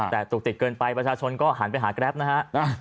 แต่จุกติดเกินไปประชาชนก็หันไปหาแกรปนะฮะ